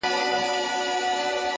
لکه خروښ د شګوفو د پسرلیو -